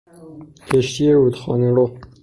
کشتی رودخانهرو